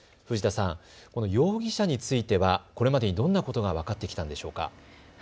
藤田さん、容疑者についてはこれまでどんなことが分かってきたんでしょうか。